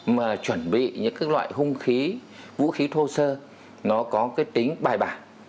mà chuẩn bị những loại hung khí vũ khí thô sơ nó có cái tính bài bản